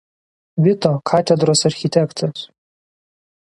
Vito katedros architektas.